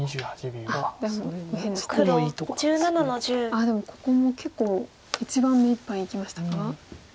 あっでもここも結構一番めいっぱいいきましたか？